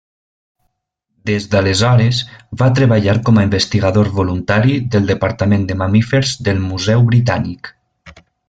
Des d'aleshores, va treballar com a investigador voluntari del departament de mamífers del Museu Britànic.